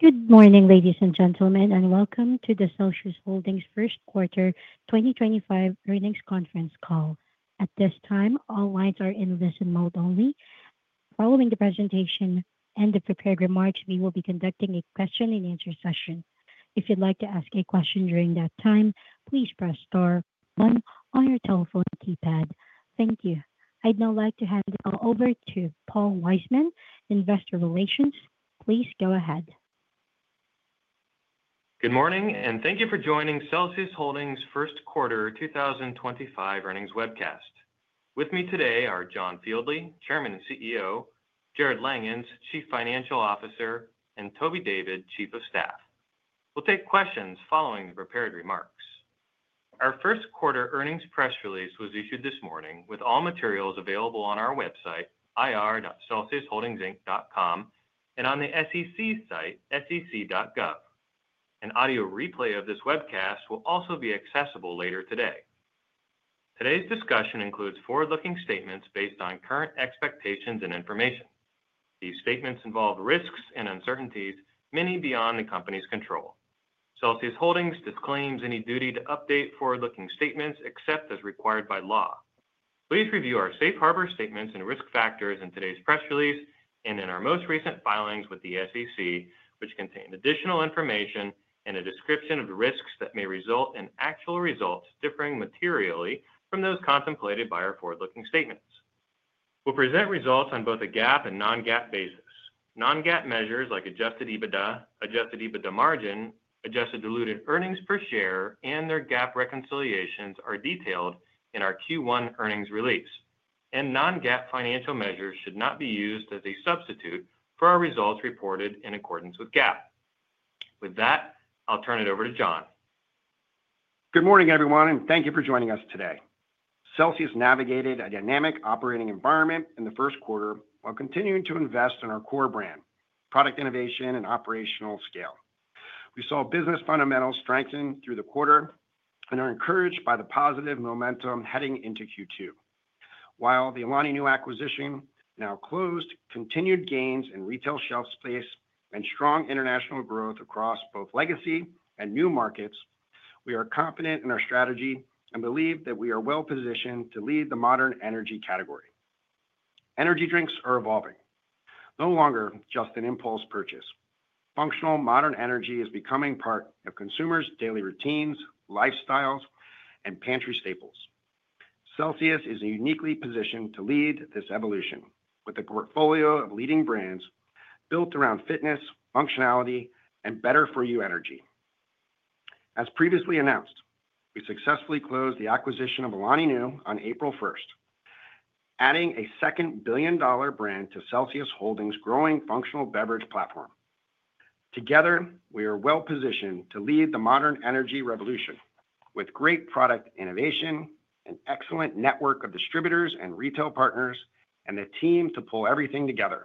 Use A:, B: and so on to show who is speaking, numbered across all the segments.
A: Good morning, ladies and gentlemen, and welcome to the Celsius Holdings First Quarter 2025 earnings conference call. At this time, all lines are in listen mode only. Following the presentation and the prepared remarks, we will be conducting a question-and-answer session. If you'd like to ask a question during that time, please press star one on your telephone keypad. Thank you. I'd now like to hand it all over to Paul Wiseman, Investor Relations. Please go ahead.
B: Good morning, and thank you for joining Celsius Holdings First Quarter 2025 earnings webcast. With me today are John Fieldly, Chairman and CEO; Jarrod Langhans, Chief Financial Officer; and Toby David, Chief of Staff. We'll take questions following the prepared remarks. Our first quarter earnings press release was issued this morning with all materials available on our website, ir.celsiusholdingsinc.com, and on the SEC site, sec.gov. An audio replay of this webcast will also be accessible later today. Today's discussion includes forward-looking statements based on current expectations and information. These statements involve risks and uncertainties, many beyond the company's control. Celsius Holdings disclaims any duty to update forward-looking statements except as required by law. Please review our safe harbor statements and risk factors in today's press release and in our most recent filings with the SEC, which contain additional information and a description of the risks that may result in actual results differing materially from those contemplated by our forward-looking statements. We will present results on both a GAAP and non-GAAP basis. Non-GAAP measures like adjusted EBITDA, adjusted EBITDA margin, adjusted diluted earnings per share, and their GAAP reconciliations are detailed in our Q1 earnings release. Non-GAAP financial measures should not be used as a substitute for our results reported in accordance with GAAP. With that, I'll turn it over to John.
C: Good morning, everyone, and thank you for joining us today. Celsius navigated a dynamic operating environment in the first quarter while continuing to invest in our core brand, product innovation, and operational scale. We saw business fundamentals strengthen through the quarter and are encouraged by the positive momentum heading into Q2. With the Alani Nu acquisition now closed, continued gains in retail shelf space, and strong international growth across both legacy and new markets, we are confident in our strategy and believe that we are well positioned to lead the modern energy category. Energy drinks are evolving, no longer just an impulse purchase. Functional modern energy is becoming part of consumers' daily routines, lifestyles, and pantry staples. Celsius is uniquely positioned to lead this evolution with a portfolio of leading brands built around fitness, functionality, and better-for-you energy. As previously announced, we successfully closed the acquisition of Alani Nu on April 1st, adding a second billion-dollar brand to Celsius Holdings' growing functional beverage platform. Together, we are well positioned to lead the modern energy revolution with great product innovation, an excellent network of distributors and retail partners, and a team to pull everything together.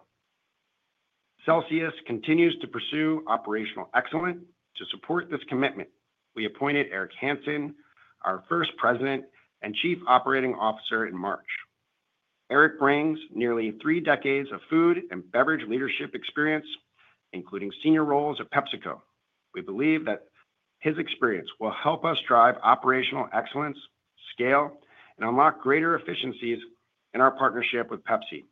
C: Celsius continues to pursue operational excellence. To support this commitment, we appointed Eric Hanson, our first President and Chief Operating Officer, in March. Eric brings nearly three decades of food and beverage leadership experience, including senior roles at PepsiCo. We believe that his experience will help us drive operational excellence, scale, and unlock greater efficiencies in our partnership with Pepsi,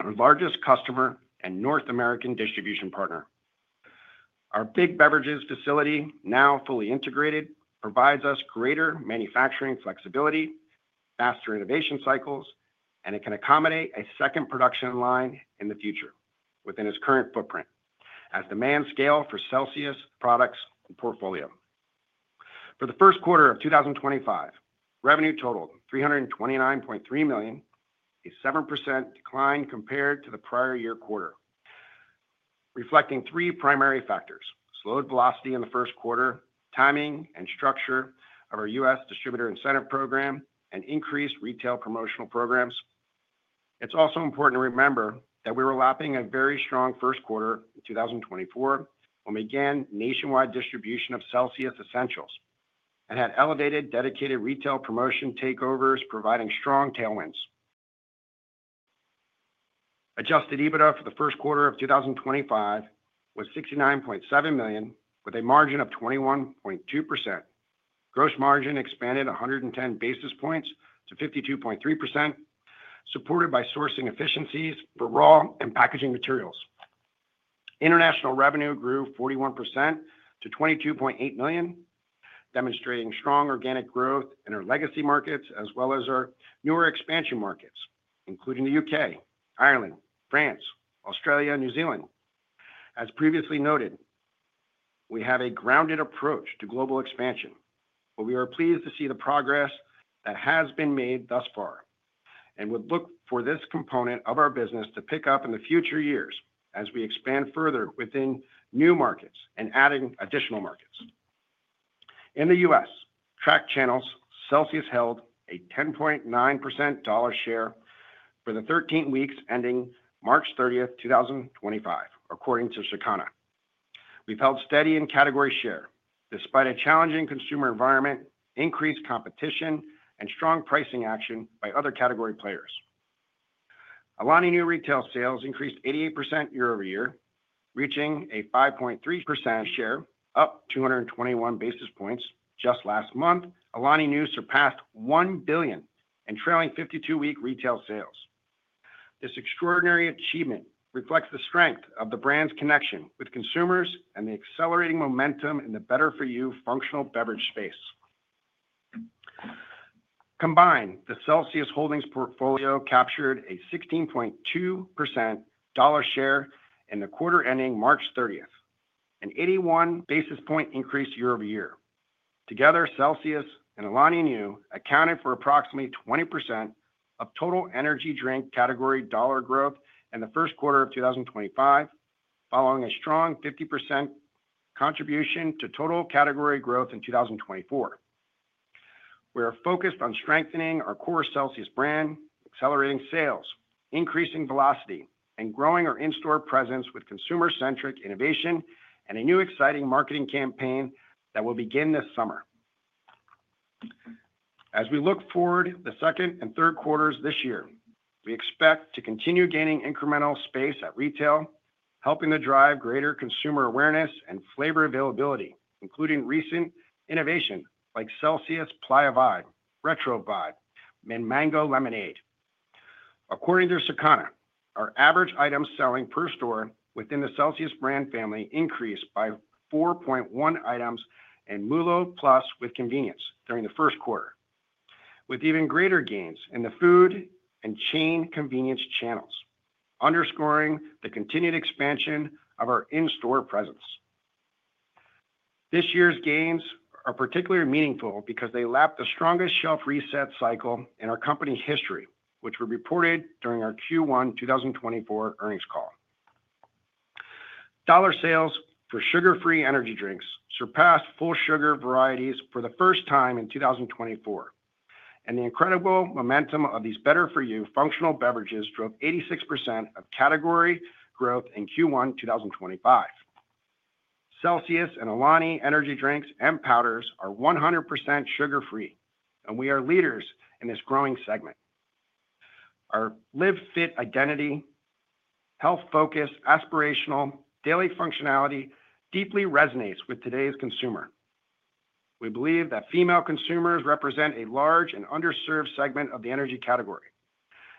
C: our largest customer and North American distribution partner. Our Big Beverages facility, now fully integrated, provides us greater manufacturing flexibility, faster innovation cycles, and it can accommodate a second production line in the future within its current footprint as demand scales for Celsius products and portfolio. For the first quarter of 2025, revenue totaled $329.3 million, a 7% decline compared to the prior year quarter, reflecting three primary factors: slowed velocity in the first quarter, timing and structure of our U.S. distributor incentive program, and increased retail promotional programs. It's also important to remember that we were lapping a very strong first quarter in 2024 when we began nationwide distribution CELSIUS ESSENTIALS and had elevated dedicated retail promotion takeovers, providing strong tailwinds. Adjusted EBITDA for the first quarter of 2025 was $69.7 million, with a margin of 21.2%. Gross margin expanded 110 basis points to 52.3%, supported by sourcing efficiencies for raw and packaging materials. International revenue grew 41% to $22.8 million, demonstrating strong organic growth in our legacy markets as well as our newer expansion markets, including the U.K., Ireland, France, Australia, and New Zealand. As previously noted, we have a grounded approach to global expansion, but we are pleased to see the progress that has been made thus far and would look for this component of our business to pick up in the future years as we expand further within new markets and adding additional markets. In the U.S., track channels, Celsius held a 10.9% dollar share for the 13 weeks ending March 30th, 2025, according to Circana. We've held steady in category share despite a challenging consumer environment, increased competition, and strong pricing action by other category players. Alani Nu retail sales increased 88% year-over-year, reaching a 5.3% share, up 221 basis points. Just last month, Alani Nu surpassed $1 billion in trailing 52-week retail sales. This extraordinary achievement reflects the strength of the brand's connection with consumers and the accelerating momentum in the better-for-you functional beverage space. Combined, the Celsius Holdings portfolio captured a 16.2% dollar share in the quarter ending March 30, an 81 basis point increase year-over-year. Together, Celsius and Alani Nu accounted for approximately 20% of total energy drink category dollar growth in the first quarter of 2025, following a strong 50% contribution to total category growth in 2024. We are focused on strengthening our core Celsius brand, accelerating sales, increasing velocity, and growing our in-store presence with consumer-centric innovation and a new exciting marketing campaign that will begin this summer. As we look forward to the second and third quarters this year, we expect to continue gaining incremental space at retail, helping to drive greater consumer awareness and flavor availability, including recent innovations like CELSIUS Playa Vibe, Retro Vibe, and Mango Lemonade. According to Circana, our average item selling per store within the Celsius brand family increased by 4.1 items and MULO Plus with convenience during the first quarter, with even greater gains in the food and chain convenience channels, underscoring the continued expansion of our in-store presence. This year's gains are particularly meaningful because they lapped the strongest shelf reset cycle in our company history, which was reported during our Q1 2024 earnings call. Dollar sales for sugar-free energy drinks surpassed full sugar varieties for the first time in 2024, and the incredible momentum of these better-for-you functional beverages drove 86% of category growth in Q1 2025. Celsius and Alani Nu energy drinks and powders are 100% sugar-free, and we are leaders in this growing segment. Our Live Fit identity, health-focused, aspirational daily functionality deeply resonates with today's consumer. We believe that female consumers represent a large and underserved segment of the energy category,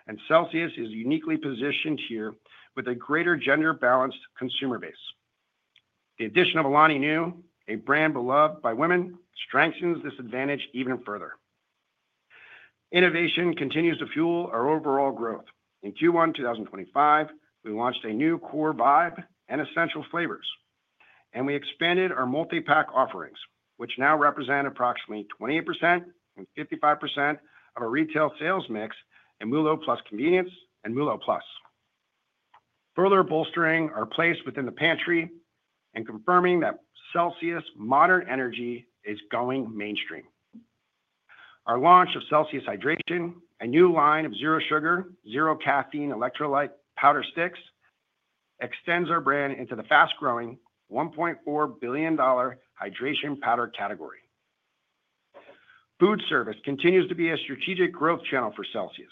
C: and Celsius is uniquely positioned here with a greater gender-balanced consumer base. The addition of Alani Nu, a brand beloved by women, strengthens this advantage even further. Innovation continues to fuel our overall growth. In Q1 2025, we launched a new core Vibe and ESSENTIALS flavors, and we expanded our multi-pack offerings, which now represent approximately 28% and 55% of our retail sales mix, and MULO Plus with Convenience and MULO Plus, further bolstering our place within the pantry and confirming that Celsius modern energy is going mainstream. Our launch of CELSIUS HYDRATION, a new line of zero sugar, zero caffeine electrolyte powder sticks, extends our brand into the fast-growing $1.4 billion hydration powder category. Food service continues to be a strategic growth channel for Celsius.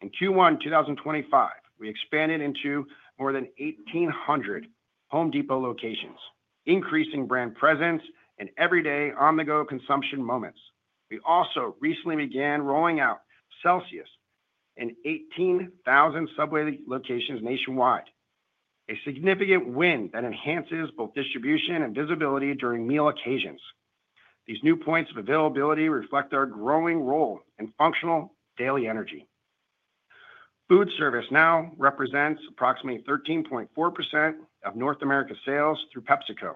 C: In Q1 2025, we expanded into more than 1,800 Home Depot locations, increasing brand presence and everyday on-the-go consumption moments. We also recently began rolling out Celsius in 18,000 Subway locations nationwide, a significant win that enhances both distribution and visibility during meal occasions. These new points of availability reflect our growing role in functional daily energy. Food service now represents approximately 13.4% of North America's sales through PepsiCo,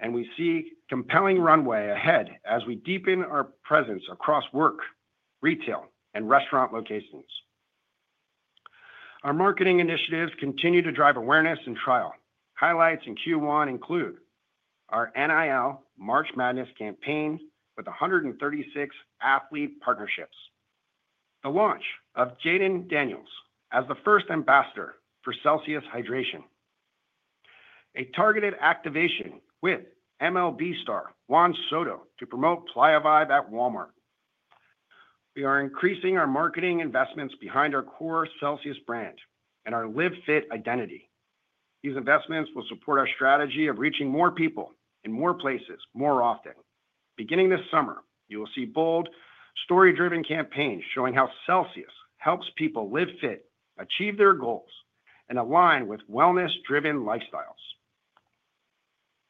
C: and we see a compelling runway ahead as we deepen our presence across work, retail, and restaurant locations. Our marketing initiatives continue to drive awareness and trial. Highlights in Q1 include our NIL March Madness campaign with 136 athlete partnerships, the launch of Jayden Daniels as the first ambassador for CELSIUS HYDRATION, a targeted activation with MLB star Juan Soto to promote Playa Vibe at Walmart. We are increasing our marketing investments behind our core Celsius brand and our Live Fit identity. These investments will support our strategy of reaching more people in more places more often. Beginning this summer, you will see bold, story-driven campaigns showing how Celsius helps people live fit, achieve their goals, and align with wellness-driven lifestyles.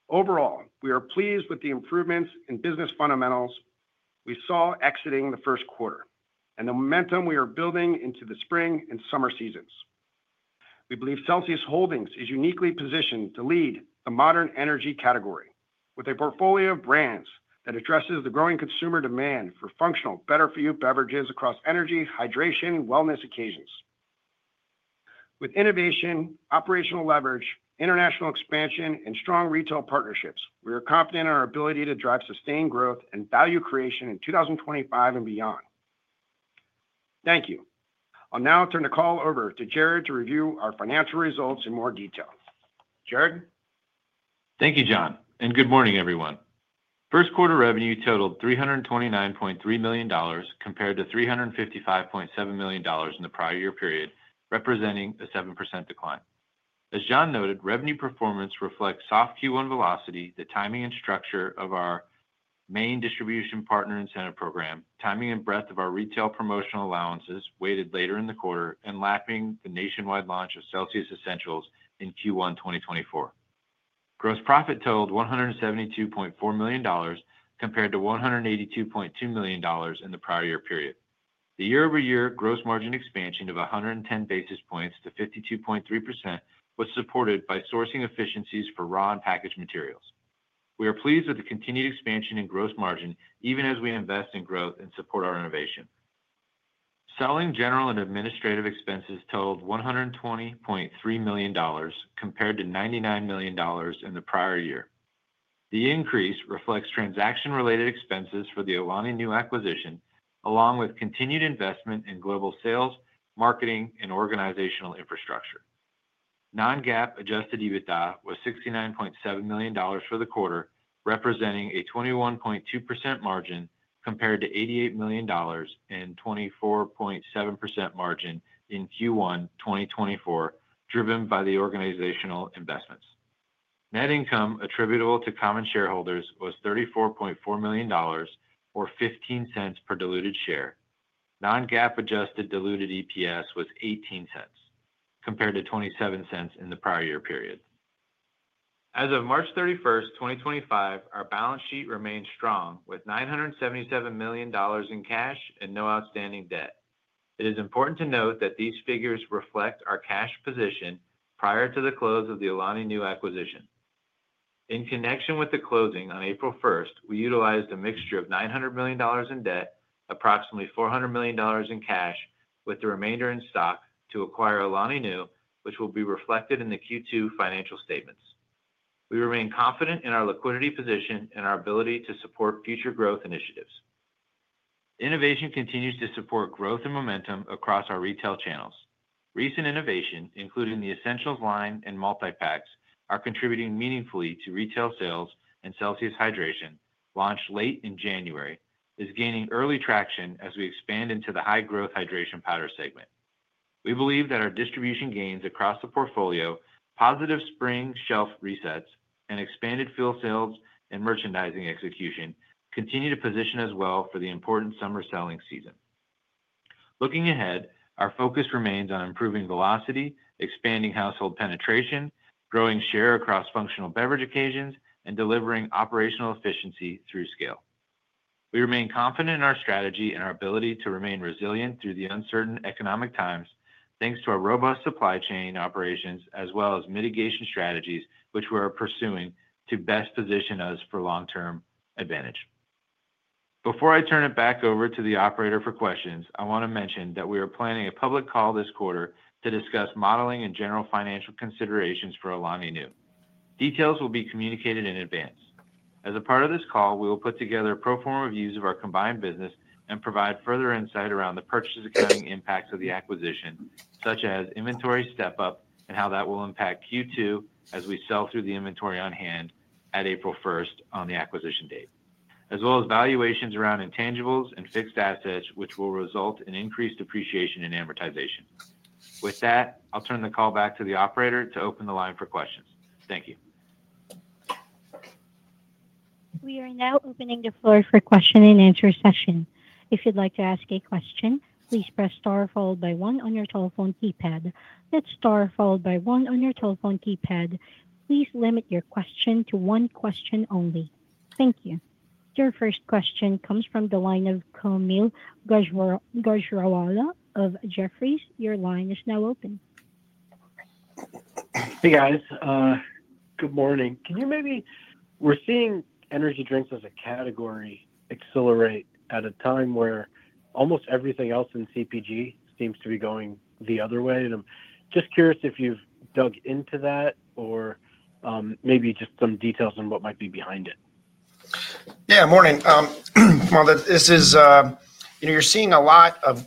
C: Overall, we are pleased with the improvements in business fundamentals we saw exiting the first quarter and the momentum we are building into the spring and summer seasons. We believe Celsius Holdings is uniquely positioned to lead the modern energy category with a portfolio of brands that addresses the growing consumer demand for functional better-for-you beverages across energy, hydration, and wellness occasions. With innovation, operational leverage, international expansion, and strong retail partnerships, we are confident in our ability to drive sustained growth and value creation in 2025 and beyond. Thank you. I'll now turn the call over to Jarrod to review our financial results in more detail. Jarrod?
D: Thank you, John, and good morning, everyone. First quarter revenue totaled $329.3 million compared to $355.7 million in the prior year period, representing a 7% decline. As John noted, revenue performance reflects soft Q1 velocity, the timing and structure of our main distribution partner incentive program, timing and breadth of our retail promotional allowances weighted later in the quarter, and lapping the nationwide launch of CELSIUS ESSENTIALS in Q1 2024. Gross profit totaled $172.4 million compared to $182.2 million in the prior year period. The year-over-year gross margin expansion of 110 basis points to 52.3% was supported by sourcing efficiencies for raw and packaged materials. We are pleased with the continued expansion in gross margin even as we invest in growth and support our innovation. Selling general and administrative expenses totaled $120.3 million compared to $99 million in the prior year. The increase reflects transaction-related expenses for the Alani Nu acquisition, along with continued investment in global sales, marketing, and organizational infrastructure. Non-GAAP adjusted EBITDA was $69.7 million for the quarter, representing a 21.2% margin compared to $88 million and 24.7% margin in Q1 2024, driven by the organizational investments. Net income attributable to common shareholders was $34.4 million or $0.15 per diluted share. Non-GAAP adjusted diluted EPS was $0.18 compared to $0.27 in the prior year period. As of March 31st, 2025, our balance sheet remains strong with $977 million in cash and no outstanding debt. It is important to note that these figures reflect our cash position prior to the close of the Alani Nu acquisition. In connection with the closing on April 1st, we utilized a mixture of $900 million in debt, approximately $400 million in cash, with the remainder in stock to acquire Alani Nu, which will be reflected in the Q2 financial statements. We remain confident in our liquidity position and our ability to support future growth initiatives. Innovation continues to support growth and momentum across our retail channels. Recent innovation, including the ESSENTIALS line and multi-packs, are contributing meaningfully to retail sales. CELSIUS HYDRATION, launched late in January, is gaining early traction as we expand into the high-growth hydration powder segment. We believe that our distribution gains across the portfolio, positive spring shelf resets, and expanded fuel sales and merchandising execution continue to position us well for the important summer selling season. Looking ahead, our focus remains on improving velocity, expanding household penetration, growing share across functional beverage occasions, and delivering operational efficiency through scale. We remain confident in our strategy and our ability to remain resilient through the uncertain economic times, thanks to our robust supply chain operations as well as mitigation strategies, which we are pursuing to best position us for long-term advantage. Before I turn it back over to the operator for questions, I want to mention that we are planning a public call this quarter to discuss modeling and general financial considerations for Alani Nu. Details will be communicated in advance. As a part of this call, we will put together pro forma views of our combined business and provide further insight around the purchase accounting impacts of the acquisition, such as inventory step-up and how that will impact Q2 as we sell through the inventory on hand at April 1st on the acquisition date, as well as valuations around intangibles and fixed assets, which will result in increased depreciation and amortization. With that, I'll turn the call back to the operator to open the line for questions. Thank you.
A: We are now opening the floor for question and answer session. If you'd like to ask a question, please press star followed by one on your telephone keypad. Hit star followed by one on your telephone keypad. Please limit your question to one question only. Thank you. Your first question comes from the line Kaumil Gajrawala of Jefferies. Your line is now open.
E: Hey, guys. Good morning. Can you maybe. We're seeing energy drinks as a category accelerate at a time where almost everything else in CPG seems to be going the other way. I'm just curious if you've dug into that or maybe just some details on what might be behind it.
C: Yeah, morning. This is, you know, you're seeing a lot of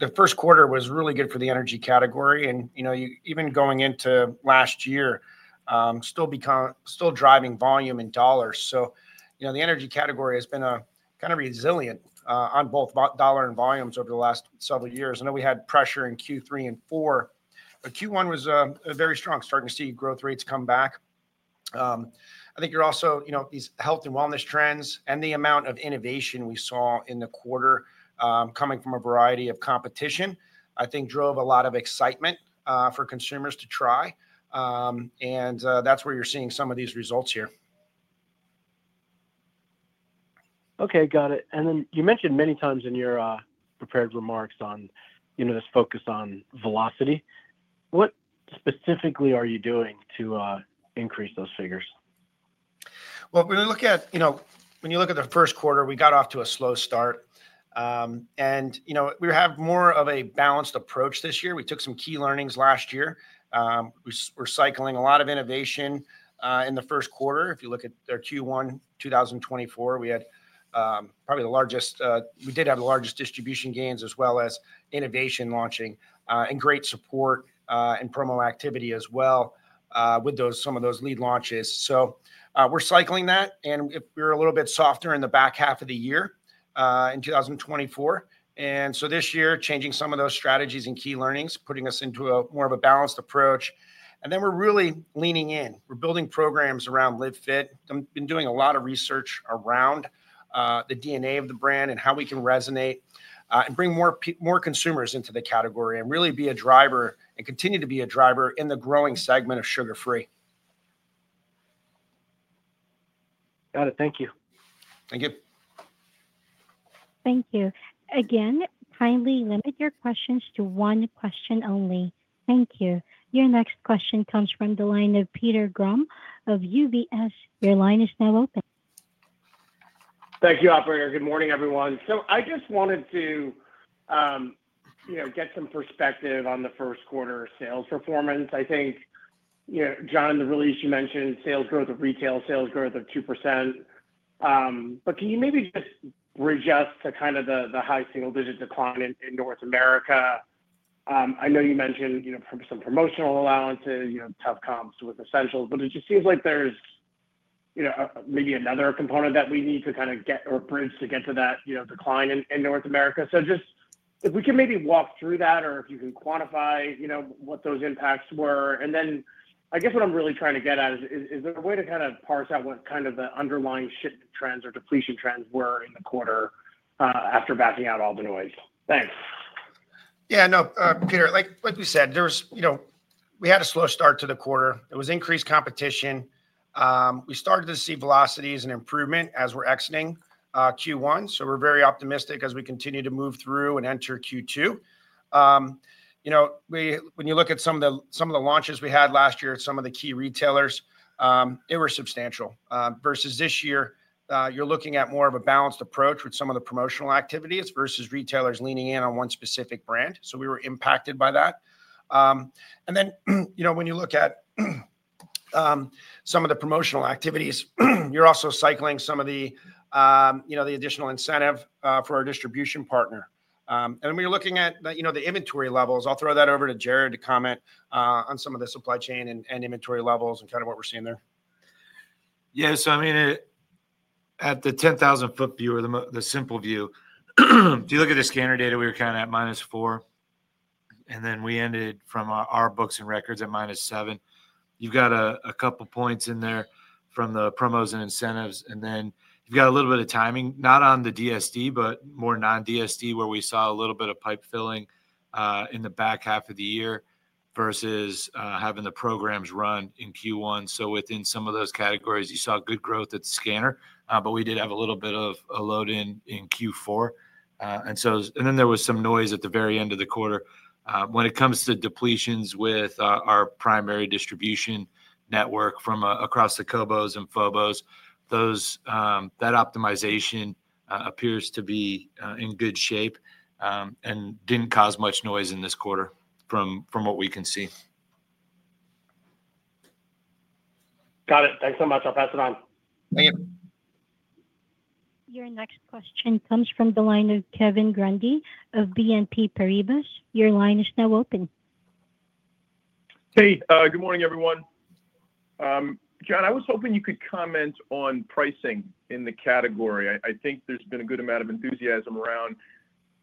C: the first quarter was really good for the energy category. You know, even going into last year, still driving volume in dollars. You know, the energy category has been kind of resilient on both dollar and volumes over the last several years. I know we had pressure in Q3 and Q4. Q1 was very strong, starting to see growth rates come back. I think you're also, you know, these health and wellness trends and the amount of innovation we saw in the quarter coming from a variety of competition, I think drove a lot of excitement for consumers to try. That's where you're seeing some of these results here.
E: Okay, got it. You mentioned many times in your prepared remarks on, you know, this focus on velocity. What specifically are you doing to increase those figures?
C: When you look at, you know, when you look at the first quarter, we got off to a slow start. You know, we have more of a balanced approach this year. We took some key learnings last year. We're cycling a lot of innovation in the first quarter. If you look at Q1 2024, we had probably the largest, we did have the largest distribution gains as well as innovation launching and great support and promo activity as well with some of those lead launches. We're cycling that. If we're a little bit softer in the back half of the year in 2024. This year, changing some of those strategies and key learnings, putting us into more of a balanced approach. We're really leaning in. We're building programs around Live Fit. I've been doing a lot of research around the DNA of the brand and how we can resonate and bring more consumers into the category and really be a driver and continue to be a driver in the growing segment of sugar-free.
E: Got it. Thank you.
C: Thank you.
A: Thank you. Again, kindly limit your questions to one question only. Thank you. Your next question comes from the line Peter Grom of UBS. Your line is now open.
F: Thank you, operator. Good morning, everyone. I just wanted to, you know, get some perspective on the first quarter sales performance. I think, you know, John, in the release, you mentioned sales growth of retail, sales growth of 2%. Can you maybe just bridge us to kind of the high single-digit decline in North America? I know you mentioned, you know, some promotional allowances, you know, tough comps with essentials. It just seems like there's, you know, maybe another component that we need to kind of get or bridge to get to that, you know, decline in North America. If we can maybe walk through that or if you can quantify, you know, what those impacts were. I guess what I'm really trying to get at is, is there a way to kind of parse out what kind of the underlying shipment trends or depletion trends were in the quarter after backing out all the noise? Thanks.
C: Yeah, no, Peter, like we said, there was, you know, we had a slow start to the quarter. There was increased competition. We started to see velocities and improvement as we're exiting Q1. You know, we're very optimistic as we continue to move through and enter Q2. You know, when you look at some of the launches we had last year at some of the key retailers, they were substantial versus this year. You're looking at more of a balanced approach with some of the promotional activities versus retailers leaning in on one specific brand. We were impacted by that. You know, when you look at some of the promotional activities, you're also cycling some of the, you know, the additional incentive for our distribution partner. We're looking at, you know, the inventory levels. I'll throw that over to Jarrod to comment on some of the supply chain and inventory levels and kind of what we're seeing there.
D: Yeah, so I mean, at the 10,000-foot view or the simple view, if you look at the scanner data, we were kind of at -4. And then we ended from our books and records at -7. You've got a couple points in there from the promos and incentives. And then you've got a little bit of timing, not on the DSD, but more non-DSD, where we saw a little bit of pipe filling in the back half of the year versus having the programs run in Q1. So within some of those categories, you saw good growth at the scanner, but we did have a little bit of a load-in in Q4. And so then there was some noise at the very end of the quarter. When it comes to depletions with our primary distribution network from across the COBOs and FOBOs, that optimization appears to be in good shape and did not cause much noise in this quarter from what we can see.
F: Got it. Thanks so much. I'll pass it on.
D: Thank you.
A: Your next question comes from the line Kevin Grundy of BNP Paribas. Your line is now open.
G: Hey, good morning, everyone. John, I was hoping you could comment on pricing in the category. I think there's been a good amount of enthusiasm around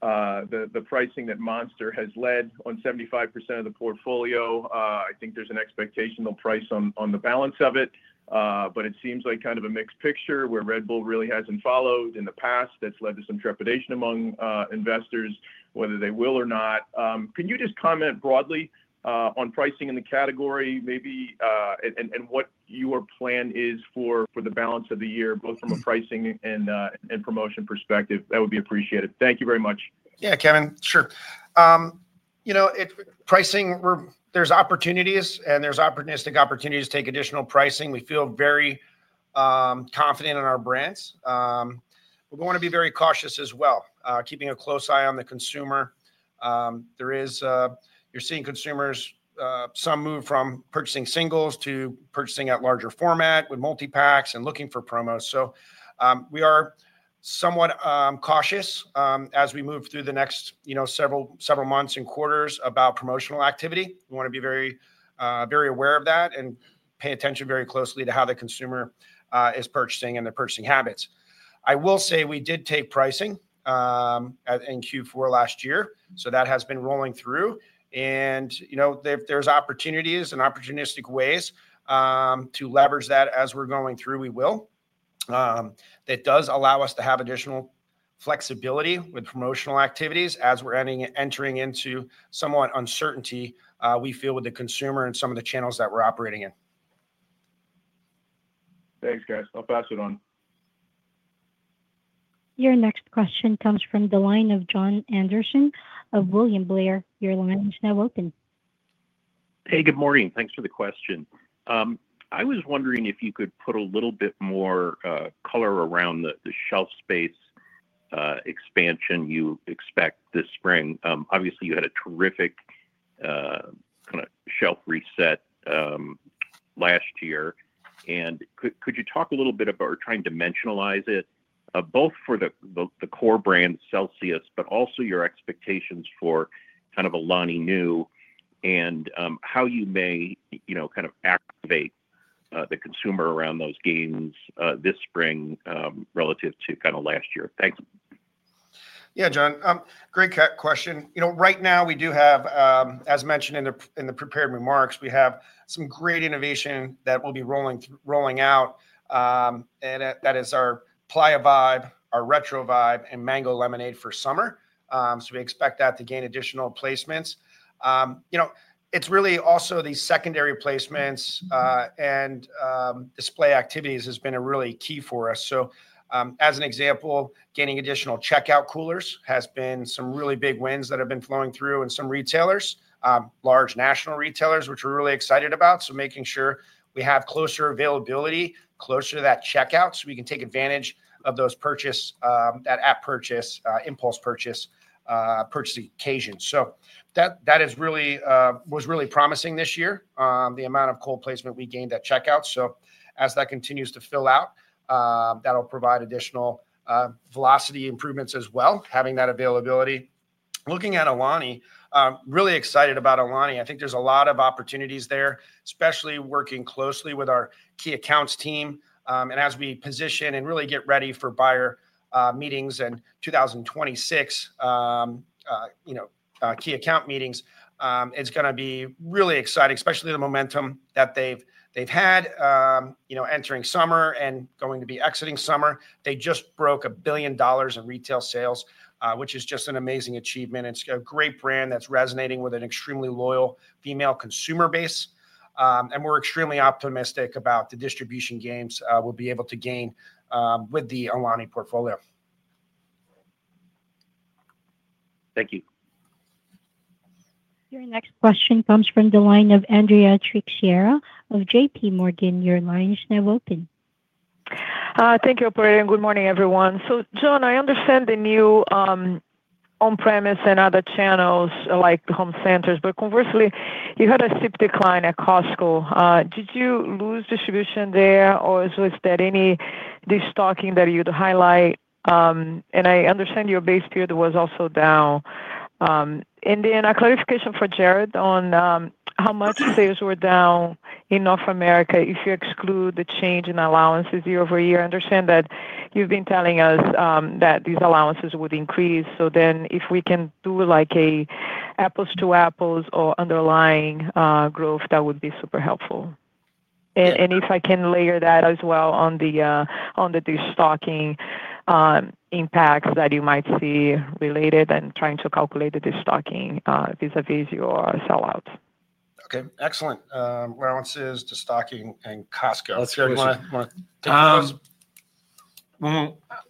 G: the pricing that Monster has led on 75% of the portfolio. I think there's an expectation they'll price on the balance of it. It seems like kind of a mixed picture where Red Bull really hasn't followed in the past. That's led to some trepidation among investors, whether they will or not. Can you just comment broadly on pricing in the category, maybe, and what your plan is for the balance of the year, both from a pricing and promotion perspective? That would be appreciated. Thank you very much.
C: Yeah, Kevin, sure. You know, pricing, there's opportunities and there's opportunistic opportunities to take additional pricing. We feel very confident in our brands. We want to be very cautious as well, keeping a close eye on the consumer. There is, you're seeing consumers, some move from purchasing singles to purchasing at larger format with multi-packs and looking for promos. We are somewhat cautious as we move through the next, you know, several months and quarters about promotional activity. We want to be very aware of that and pay attention very closely to how the consumer is purchasing and their purchasing habits. I will say we did take pricing in Q4 last year. That has been rolling through. You know, there's opportunities and opportunistic ways to leverage that as we're going through, we will. That does allow us to have additional flexibility with promotional activities as we're entering into somewhat uncertainty, we feel, with the consumer and some of the channels that we're operating in.
G: Thanks, guys. I'll pass it on.
A: Your next question comes from the line Jon Andersen of William Blair. Your line is now open.
H: Hey, good morning. Thanks for the question. I was wondering if you could put a little bit more color around the shelf space expansion you expect this spring. Obviously, you had a terrific kind of shelf reset last year. Could you talk a little bit about or try and dimensionalize it, both for the core brand Celsius, but also your expectations for kind of Alani Nu and how you may, you know, kind of activate the consumer around those gains this spring relative to kind of last year? Thanks.
C: Yeah, Jon, great question. You know, right now we do have, as mentioned in the prepared remarks, we have some great innovation that will be rolling out. That is our Playa Vibe, our Retro Vibe, and Mango Lemonade for summer. We expect that to gain additional placements. You know, it's really also these secondary placements and display activities has been really key for us. As an example, getting additional checkout coolers has been some really big wins that have been flowing through in some retailers, large national retailers, which we're really excited about. Making sure we have closer availability, closer to that checkout so we can take advantage of those purchase, that app purchase, impulse purchase occasions. That really was really promising this year, the amount of cold placement we gained at checkout. As that continues to fill out, that'll provide additional velocity improvements as well, having that availability. Looking at Alani, really excited about Alani. I think there's a lot of opportunities there, especially working closely with our key accounts team. As we position and really get ready for buyer meetings and 2026, you know, key account meetings, it's going to be really exciting, especially the momentum that they've had, you know, entering summer and going to be exiting summer. They just broke $1 billion in retail sales, which is just an amazing achievement. It's a great brand that's resonating with an extremely loyal female consumer base. We're extremely optimistic about the distribution gains we'll be able to gain with the Alani portfolio.
H: Thank you.
A: Your next question comes from the line Andrea Trixiera of JPMorgan. Your line is now open.
I: Thank you, operator. Good morning, everyone. John, I understand the new on-premise and other channels like home centers, but conversely, you had a steep decline at Costco. Did you lose distribution there or is there any stocking that you'd highlight? I understand your base period was also down. A clarification for Jarrod on how much sales were down in North America if you exclude the change in allowances year-over-year. I understand that you've been telling us that these allowances would increase. If we can do like an apples-to-apples or underlying growth, that would be super helpful. If I can layer that as well on the destocking impacts that you might see related and trying to calculate the stocking vis-à-vis your sellouts.
C: Okay, excellent. Allowances, destocking and Costco.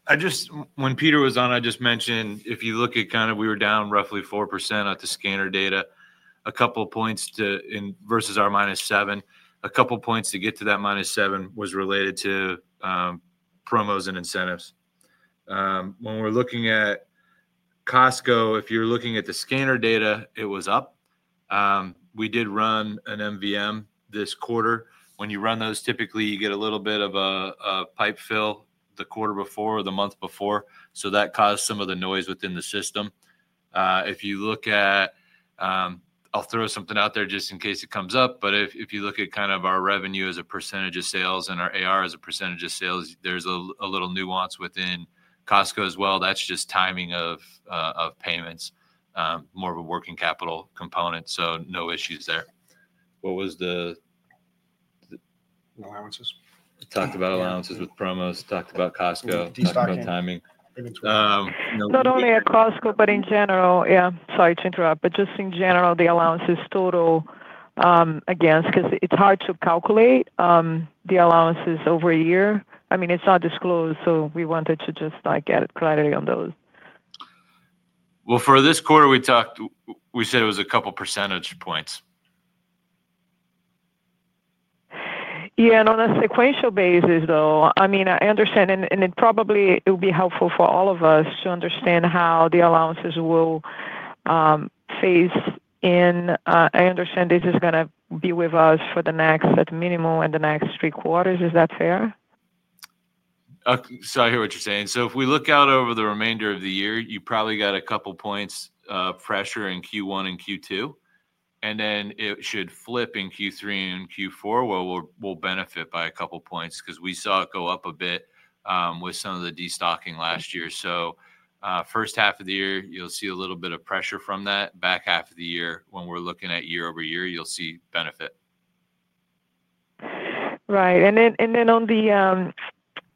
D: I just, when Peter was on, I just mentioned if you look at kind of we were down roughly 4% at the scanner data, a couple points to versus our -7, a couple points to get to that -7 was related to promos and incentives. When we're looking at Costco, if you're looking at the scanner data, it was up. We did run an MVM this quarter. When you run those, typically you get a little bit of a pipe fill the quarter before or the month before. That caused some of the noise within the system. If you look at, I'll throw something out there just in case it comes up. If you look at kind of our revenue as a percentage of sales and our AR as a percentage of sales, there's a little nuance within Costco as well. That's just timing of payments, more of a working capital component. No issues there. What was the allowances? Talked about allowances with promos, talked about Costco, talked about timing.
I: Not only at Costco, but in general, yeah. Sorry to interrupt, but just in general, the allowances total against because it's hard to calculate the allowances over a year. I mean, it's not disclosed, so we wanted to just like get clarity on those.
D: For this quarter, we talked, we said it was a 2 percentage points.
I: Yeah, and on a sequential basis, I mean, I understand, and it probably will be helpful for all of us to understand how the allowances will phase in. I understand this is going to be with us for the next at minimum in the next three quarters. Is that fair?
D: I hear what you're saying. If we look out over the remainder of the year, you probably got a couple points pressure in Q1 and Q2. Then it should flip in Q3 and Q4. We'll benefit by a couple points because we saw it go up a bit with some of the destocking last year. First half of the year, you'll see a little bit of pressure from that. Back half of the year, when we're looking at year-over-year, you'll see benefit.
I: Right.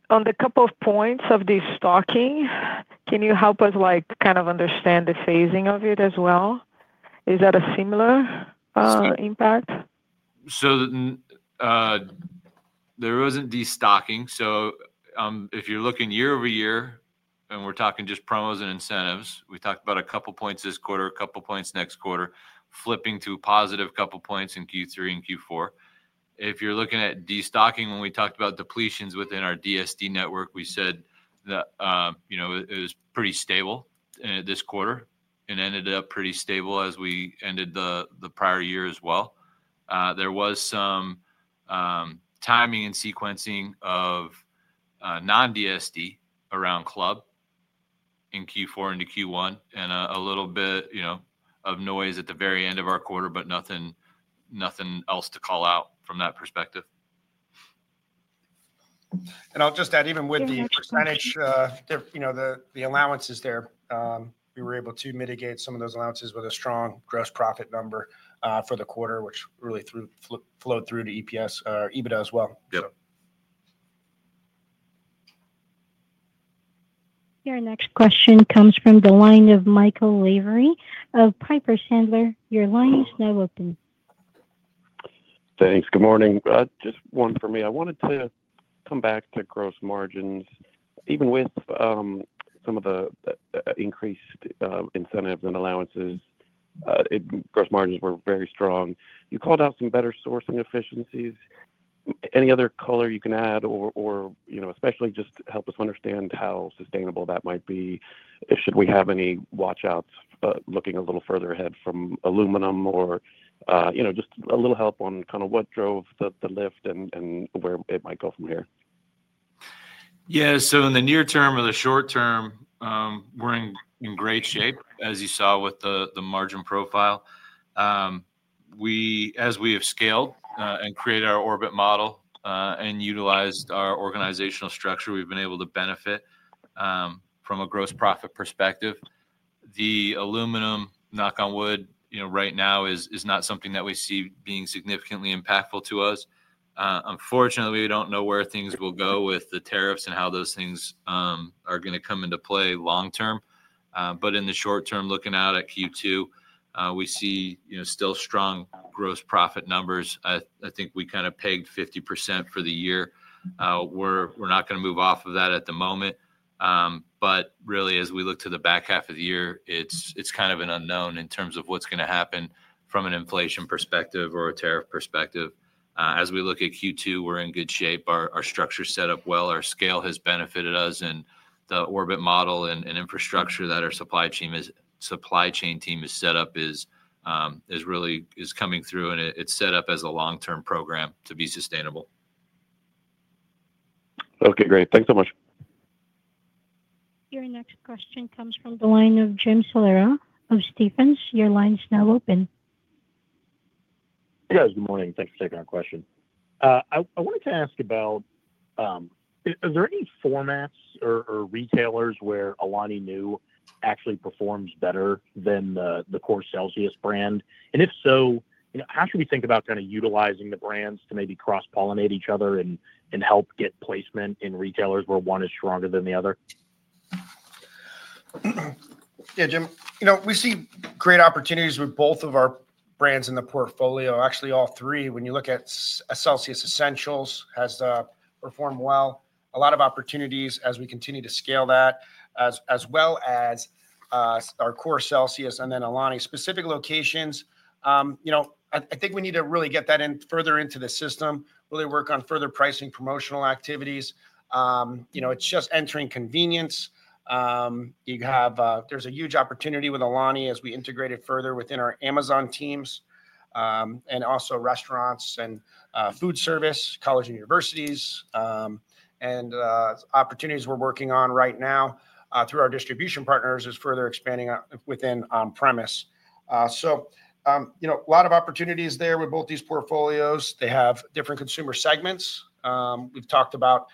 I: On the couple of points of destocking, can you help us like kind of understand the phasing of it as well? Is that a similar impact?
D: There was not destocking. If you're looking year-over-year, and we're talking just promos and incentives, we talked about a couple points this quarter, a couple points next quarter, flipping to positive couple points in Q3 and Q4. If you're looking at destocking, when we talked about depletions within our DSD network, we said that, you know, it was pretty stable this quarter and ended up pretty stable as we ended the prior year as well. There was some timing and sequencing of non-DSD around club in Q4 into Q1 and a little bit, you know, of noise at the very end of our quarter, but nothing else to call out from that perspective.
C: I'll just add, even with the percentage, you know, the allowances there, we were able to mitigate some of those allowances with a strong gross profit number for the quarter, which really flowed through to EPS or EBITDA as well.
D: Yep.
A: Your next question comes from the line Michael Lavery of Piper Sandler. Your line is now open.
J: Thanks. Good morning. Just one for me. I wanted to come back to gross margins. Even with some of the increased incentives and allowances, gross margins were very strong. You called out some better sourcing efficiencies. Any other color you can add or, you know, especially just help us understand how sustainable that might be? Should we have any watch-outs looking a little further ahead from aluminum or, you know, just a little help on kind of what drove the lift and where it might go from here?
D: Yeah, so in the near term or the short term, we're in great shape, as you saw with the margin profile. As we have scaled and created our orbit model and utilized our organizational structure, we've been able to benefit from a gross profit perspective. The aluminum, knock on wood, you know, right now is not something that we see being significantly impactful to us. Unfortunately, we don't know where things will go with the tariffs and how those things are going to come into play long term. In the short term, looking out at Q2, we see, you know, still strong gross profit numbers. I think we kind of pegged 50% for the year. We're not going to move off of that at the moment. As we look to the back half of the year, it's kind of an unknown in terms of what's going to happen from an inflation perspective or a tariff perspective. As we look at Q2, we're in good shape. Our structure is set up well. Our scale has benefited us. The orbit model and infrastructure that our supply chain team has set up is really coming through, and it's set up as a long-term program to be sustainable.
J: Okay, great. Thanks so much.
A: Your next question comes from the line Jim Solera of Stephens. Your line is now open.
K: Hey, guys. Good morning. Thanks for taking our question. I wanted to ask about, is there any formats or retailers where Alani Nu actually performs better than the core Celsius brand? And if so, you know, how should we think about kind of utilizing the brands to maybe cross-pollinate each other and help get placement in retailers where one is stronger than the other?
C: Yeah, Jim, you know, we see great opportunities with both of our brands in the portfolio, actually all three. When you look at CELSIUS ESSENTIALS has performed well, a lot of opportunities as we continue to scale that, as well as our core Celsius and then Alani. Specific locations, you know, I think we need to really get that further into the system, really work on further pricing promotional activities. You know, it's just entering convenience. There's a huge opportunity with Alani as we integrate it further within our Amazon teams and also restaurants and food service, colleges and universities, and opportunities we're working on right now through our distribution partners is further expanding within on-premise. You know, a lot of opportunities there with both these portfolios. They have different consumer segments. We've talked about,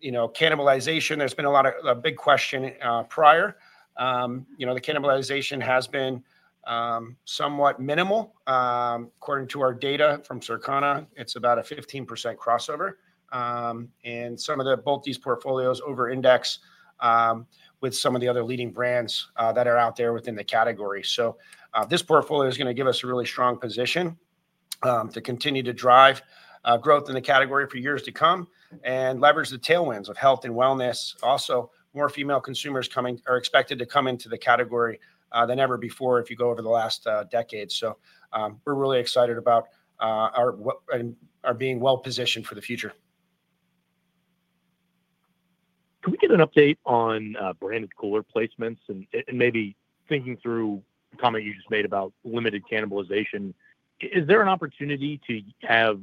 C: you know, cannibalization. There's been a lot of big question prior. You know, the cannibalization has been somewhat minimal. According to our data from Circana, it's about a 15% crossover. And some of both these portfolios over-index with some of the other leading brands that are out there within the category. This portfolio is going to give us a really strong position to continue to drive growth in the category for years to come and leverage the tailwinds of health and wellness. Also, more female consumers are expected to come into the category than ever before if you go over the last decade. We're really excited about our being well-positioned for the future.
K: Can we get an update on branded cooler placements and maybe thinking through the comment you just made about limited cannibalization? Is there an opportunity to have,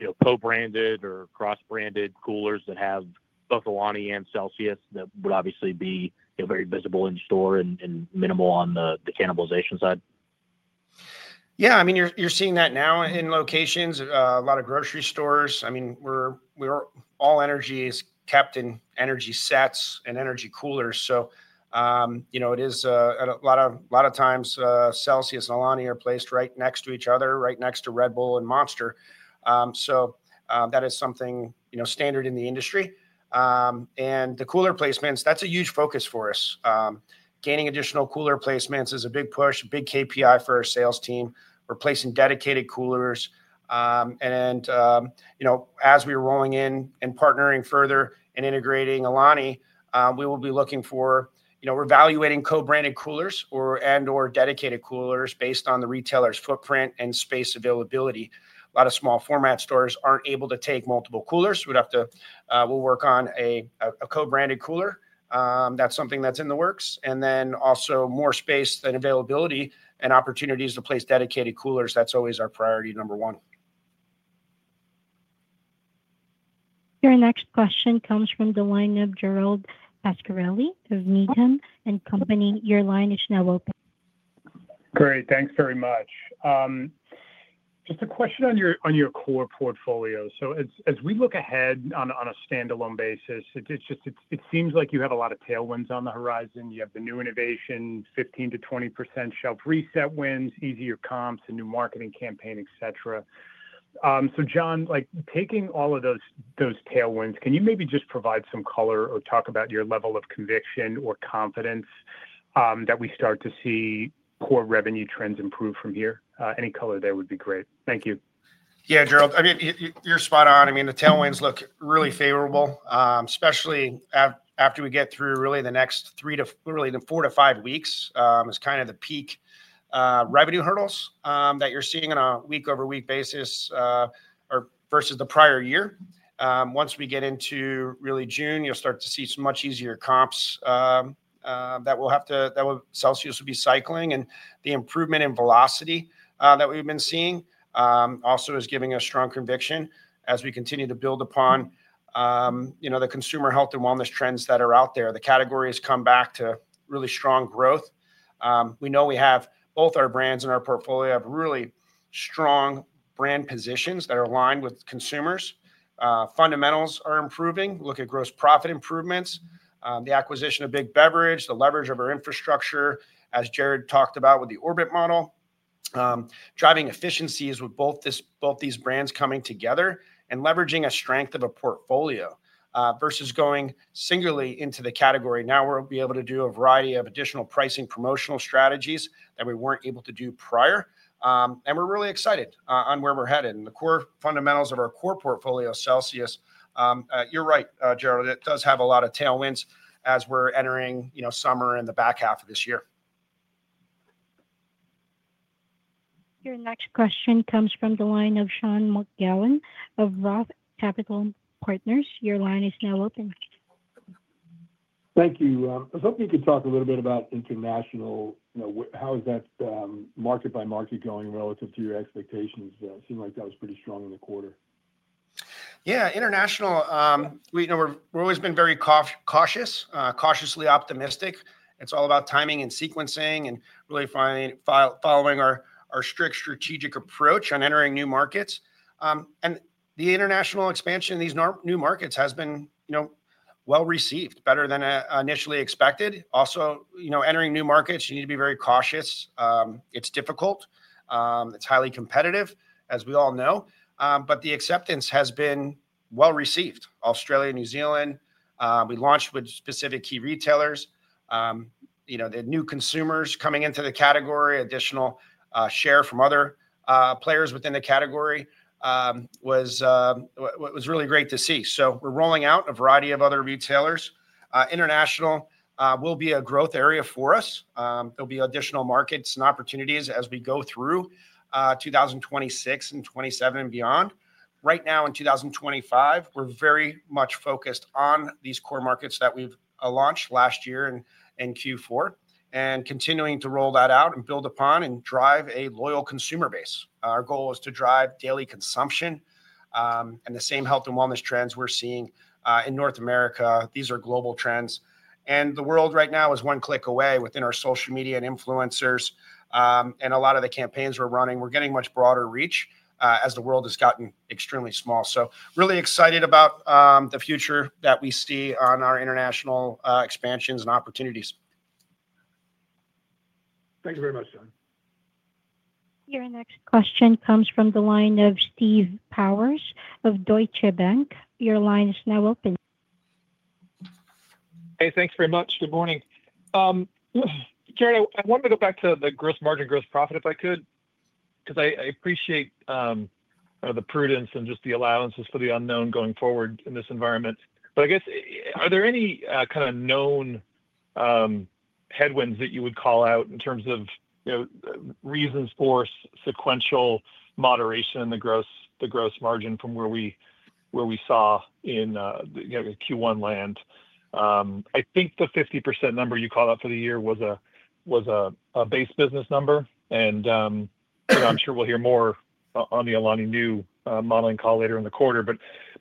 K: you know, co-branded or cross-branded coolers that have both Alani and Celsius that would obviously be very visible in store and minimal on the cannibalization side?
C: Yeah, I mean, you're seeing that now in locations, a lot of grocery stores. I mean, where all energy is kept in energy sets and energy coolers. You know, it is a lot of times Celsius and Alani are placed right next to each other, right next to Red Bull and Monster. That is something, you know, standard in the industry. The cooler placements, that's a huge focus for us. Gaining additional cooler placements is a big push, a big KPI for our sales team. We're placing dedicated coolers. You know, as we're rolling in and partnering further and integrating Alani, we will be looking for, you know, we're evaluating co-branded coolers and/or dedicated coolers based on the retailer's footprint and space availability. A lot of small format stores aren't able to take multiple coolers. We'd have to, we'll work on a co-branded cooler. That's something that's in the works. Also, more space and availability and opportunities to place dedicated coolers. That's always our priority number one.
A: Your next question comes from the line Gerald Pascarelli of Needham and Company. Your line is now open.
L: Great. Thanks very much. Just a question on your core portfolio. As we look ahead on a standalone basis, it just seems like you have a lot of tailwinds on the horizon. You have the new innovation, 15%-20% shelf reset wins, easier comps, a new marketing campaign, etc. John, like taking all of those tailwinds, can you maybe just provide some color or talk about your level of conviction or confidence that we start to see core revenue trends improve from here? Any color there would be great. Thank you.
C: Yeah, Gerald, I mean, you're spot on. I mean, the tailwinds look really favorable, especially after we get through really the next three to really four to five weeks is kind of the peak revenue hurdles that you're seeing on a week-over-week basis versus the prior year. Once we get into really June, you'll start to see some much easier comps that will have to, that Celsius will be cycling. And the improvement in velocity that we've been seeing also is giving us strong conviction as we continue to build upon, you know, the consumer health and wellness trends that are out there. The category has come back to really strong growth. We know we have both our brands and our portfolio have really strong brand positions that are aligned with consumers. Fundamentals are improving. Look at gross profit improvements, the acquisition of Big Beverage, the leverage of our infrastructure, as Jarrod talked about with the orbit model, driving efficiencies with both these brands coming together and leveraging a strength of a portfolio versus going singularly into the category. Now we'll be able to do a variety of additional pricing promotional strategies that we weren't able to do prior. We're really excited on where we're headed. The core fundamentals of our core portfolio, Celsius, you're right, Gerald, it does have a lot of tailwinds as we're entering, you know, summer in the back half of this year.
A: Your next question comes from the line Sean McGowan of Roth Capital Partners. Your line is now open.
M: Thank you. I was hoping you could talk a little bit about international, you know, how is that market by market going relative to your expectations? Seemed like that was pretty strong in the quarter.
C: Yeah, international, you know, we've always been very cautious, cautiously optimistic. It's all about timing and sequencing and really following our strict strategic approach on entering new markets. The international expansion in these new markets has been, you know, well-received, better than initially expected. Also, you know, entering new markets, you need to be very cautious. It's difficult. It's highly competitive, as we all know. The acceptance has been well-received. Australia, New Zealand, we launched with specific key retailers. You know, the new consumers coming into the category, additional share from other players within the category was really great to see. We're rolling out a variety of other retailers. International will be a growth area for us. There will be additional markets and opportunities as we go through 2026 and 2027 and beyond. Right now in 2025, we're very much focused on these core markets that we've launched last year in Q4 and continuing to roll that out and build upon and drive a loyal consumer base. Our goal is to drive daily consumption and the same health and wellness trends we're seeing in North America. These are global trends. The world right now is one click away within our social media and influencers. A lot of the campaigns we're running, we're getting much broader reach as the world has gotten extremely small. Really excited about the future that we see on our international expansions and opportunities.
M: Thanks very much, John.
A: Your next question comes from Steve Powers of Deutsche Bank. Your line is now open.
N: Hey, thanks very much. Good morning. Jarrod, I wanted to go back to the gross margin, gross profit if I could, because I appreciate the prudence and just the allowances for the unknown going forward in this environment. I guess, are there any kind of known headwinds that you would call out in terms of, you know, reasons for sequential moderation in the gross margin from where we saw in Q1 land? I think the 50% number you called out for the year was a base business number. I'm sure we'll hear more on the Alani Nu modeling call later in the quarter.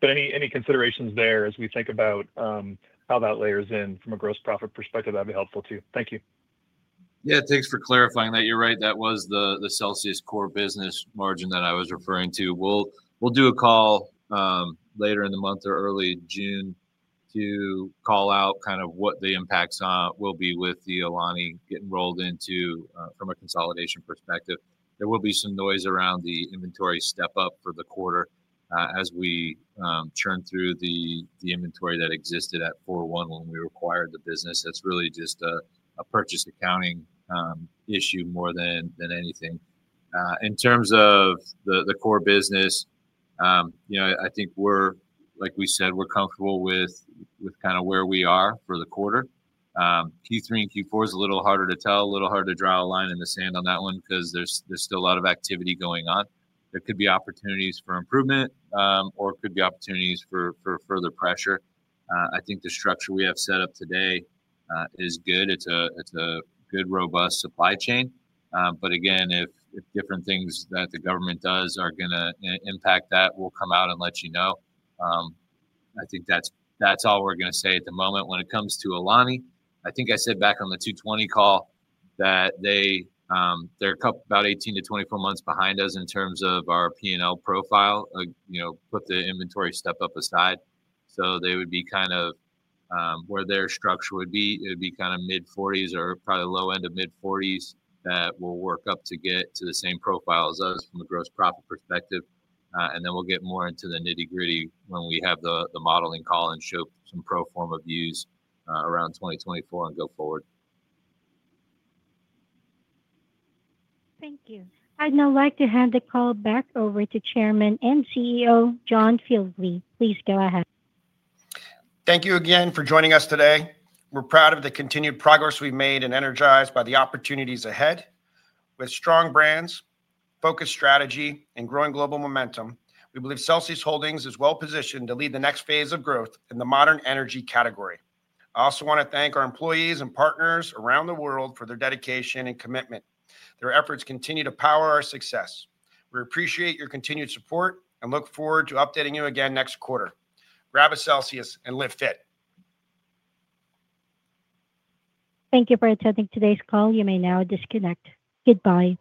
N: Any considerations there as we think about how that layers in from a gross profit perspective? That'd be helpful too. Thank you.
D: Yeah, thanks for clarifying that. You're right. That was the Celsius core business margin that I was referring to. We'll do a call later in the month or early June to call out kind of what the impacts will be with the Alani getting rolled into from a consolidation perspective. There will be some noise around the inventory step-up for the quarter as we churn through the inventory that existed at $41 when we acquired the business. That's really just a purchase accounting issue more than anything. In terms of the core business, you know, I think we're, like we said, we're comfortable with kind of where we are for the quarter. Q3 and Q4 is a little harder to tell, a little harder to draw a line in the sand on that one because there's still a lot of activity going on. There could be opportunities for improvement or it could be opportunities for further pressure. I think the structure we have set up today is good. It's a good, robust supply chain. Again, if different things that the government does are going to impact that, we'll come out and let you know. I think that's all we're going to say at the moment. When it comes to Alani, I think I said back on the 2020 call that they're about 18 to 24 months behind us in terms of our P&L profile, you know, put the inventory step-up aside. They would be kind of where their structure would be. It would be kind of mid-40s or probably low end of mid-40s that will work up to get to the same profile as us from a gross profit perspective. We will get more into the nitty-gritty when we have the modeling call and show some pro forma views around 2024 and go forward.
A: Thank you. I'd now like to hand the call back over to Chairman and CEO John Fieldly. Please go ahead.
C: Thank you again for joining us today. We're proud of the continued progress we've made and energized by the opportunities ahead. With strong brands, focused strategy, and growing global momentum, we believe Celsius Holdings is well-positioned to lead the next phase of growth in the modern energy category. I also want to thank our employees and partners around the world for their dedication and commitment. Their efforts continue to power our success. We appreciate your continued support and look forward to updating you again next quarter. Grab a Celsius and live fit.
A: Thank you for attending today's call. You may now disconnect. Goodbye.